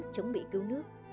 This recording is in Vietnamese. chống mỹ cứu nước